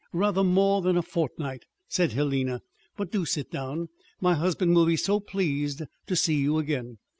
"Rather more than a fortnight." said Helena. "But do sit down. My husband will be so pleased to see you again.